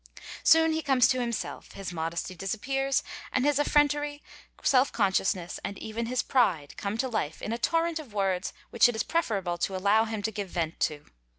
Soon he comes to himself; his modesty disappears, and his effrontery, self consciousness, and even his pride, come to life in a torrent of words which it is preferable to allow him to give vent to.